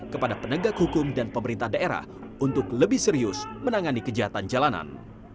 kepada penegak hukum dan pemerintah daerah untuk lebih serius menangani kejahatan jalanan